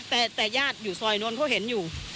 แต่ญาติอยู่ซอยนู้นเขาเห็นอยู่